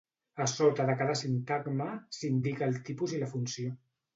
A sota de cada sintagma s'indica el tipus i la funció.